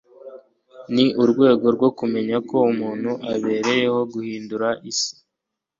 ni urwego rwo kumenya ko umuntu abereyeho guhindura isi